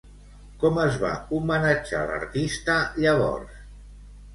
Com es va homenatjar l'artista llavors?